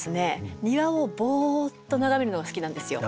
庭をぼっと眺めるのが好きなんですよ。